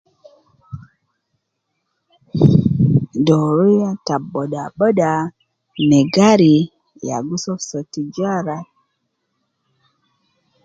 Doria ta boda boda, me gari, ya gi so so tijara